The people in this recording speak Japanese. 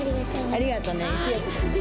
ありがとうね。